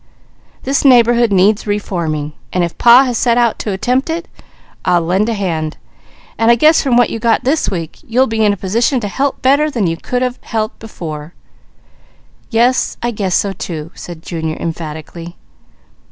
This neighbourhood needs reforming, and if Pa has set out to attempt it, I'll lend a hand, and I guess from what you got this week, you'll be in a position to help better than you could have helped before." "Yes I guess so too," said Junior emphatically.